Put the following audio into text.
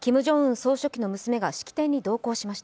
総書記の娘が式典に出席しました。